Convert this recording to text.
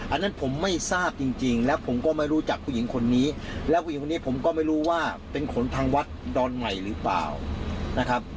อันนั้นผมไม่ทราบจริงแล้วผมก็ไม่รู้จักผู้หญิงคนนี้แล้วผู้หญิงคนนี้ผมก็ไม่รู้ว่าเป็นคนทางวัดดอนใหม่หรือเปล่านะครับ